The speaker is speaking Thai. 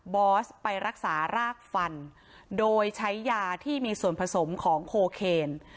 อสไปรักษารากฟันโดยใช้ยาที่มีส่วนผสมของโคเคน